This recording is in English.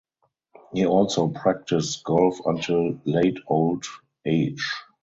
He also practiced golf until late old age.